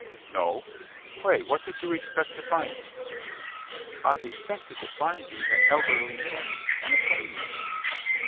"No?—pray what did you expect to find me?" "I expected to find you an elderly man, and a plain man."